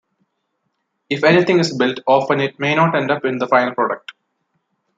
If anything is built, often, it may not end up in the final product.